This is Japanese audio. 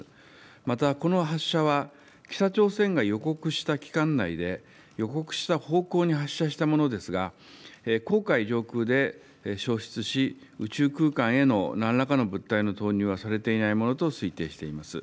また、この発射は北朝鮮が予告した期間内で、予告した方向に発射したものですが、黄海上空で消失し、宇宙空間へのなんらかの物体の投入はされていないものと推定しています。